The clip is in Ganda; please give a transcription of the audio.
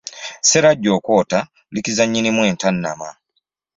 Sserwajja okwoota likiza nyinni mu entamatama .